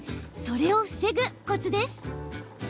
それを防ぐコツです。